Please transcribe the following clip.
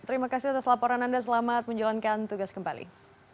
terima kasih atas laporan anda selamat menjalankan tugas kembali